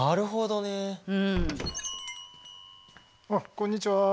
こんにちは。